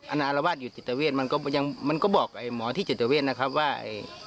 อาณาลวาสอยู่จิตเวชมันก็บอกหมอที่จิตเวชนะครับว่า